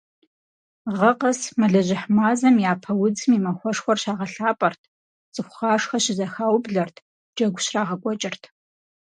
Гъэ къэс, мэлыжьыхь мазэм Япэ удзым и махуэшхуэр щагъэлъапӀэрт, цӀыхугъашхэ щызэхаублэрт, джэгу щрагъэкӀуэкӀырт.